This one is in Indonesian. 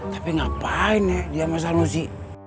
tapi ngapain ya dia masa nusi